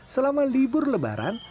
selama libur lebaran